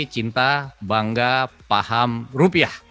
cinta bangga paham rupiah